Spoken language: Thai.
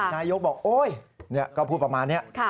นายกบอกโอ๊ยก็พูดประมาณนี้